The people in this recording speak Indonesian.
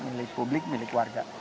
milik publik milik warga